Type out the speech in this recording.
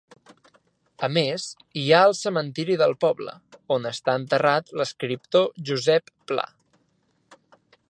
A més, hi ha el cementiri del poble, on està enterrat l'escriptor Josep Pla.